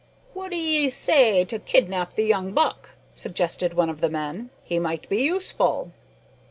"What d'ee say to kidnap the young buck?" suggested one of the men; "he might be useful."